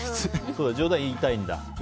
冗談、言いたいんだ。